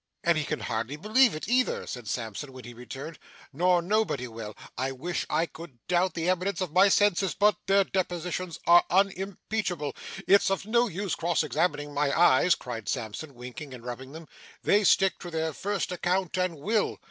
'And he can hardly believe it, either,' said Sampson, when he returned, 'nor nobody will. I wish I could doubt the evidence of my senses, but their depositions are unimpeachable. It's of no use cross examining my eyes,' cried Sampson, winking and rubbing them, 'they stick to their first account, and will.